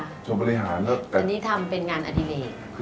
อันนี้ทำเป็นงานอดิเรก